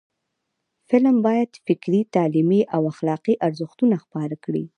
فلم باید فکري، تعلیمي او اخلاقی ارزښتونه خپاره کړي